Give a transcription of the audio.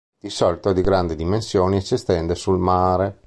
Di solito è di grandi dimensioni e si estende sul mare.